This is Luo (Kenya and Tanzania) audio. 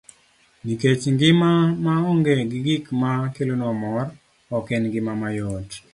Nikech ngima ma onge gi gik ma kelonwa mor, ok en ngima mayot.